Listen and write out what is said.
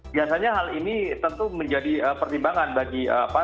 biasanya hal ini tentu menjadi pertimbangan bagi